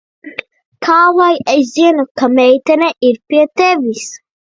Kā lai es zinu, ka meitene ir pie tevis?